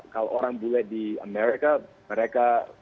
kalau orang bule di amerika mereka